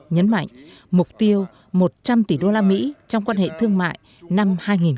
nhấn mạnh mục tiêu một trăm linh tỷ đô la mỹ trong quan hệ thương mại năm hai nghìn một mươi bảy